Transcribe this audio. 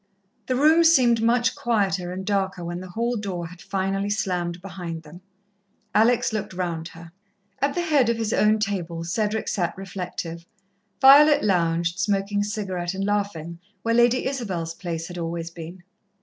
The room seemed much quieter and darker when the hall door had finally slammed behind them. Alex looked round her. At the head of his own table, Cedric sat reflective. Violet lounged, smoking a cigarette and laughing, where Lady Isabel's place had always been.